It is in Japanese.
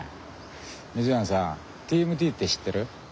溝やんさ「ＴＭＴ」って知ってる？